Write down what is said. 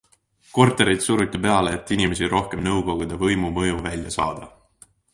Kortereid suruti peale, et inimesi rohkem nõukogude võimu mõjuvälja saada.